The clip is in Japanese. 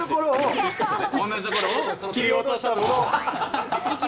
同じところを切り落としたところ。